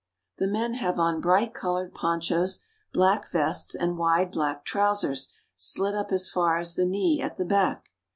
The men have on bright colored ponchos, black vests, and wide black trousers slit up as far as the knee at the back.